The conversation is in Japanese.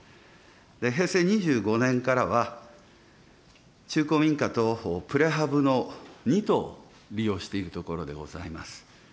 平成２５年からは、中古民家とプレハブの２棟を利用しているところでございます。